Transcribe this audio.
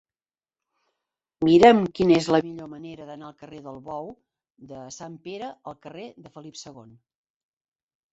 Mira'm quina és la millor manera d'anar del carrer del Bou de Sant Pere al carrer de Felip II.